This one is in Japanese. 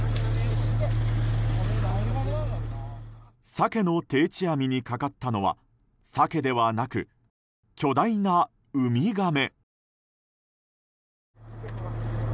サケの定置網にかかったのはサケではなく巨大なウミガメ。